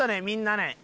みんなね